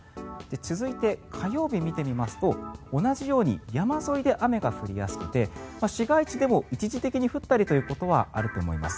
続いて火曜日を見てみますと同じように山沿いで雨が降りやすくて市街地でも一時的に降ったりということはあると思います。